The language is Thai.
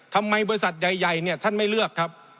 ทำไมบริษัทใหญ่ท่านไม่เลือก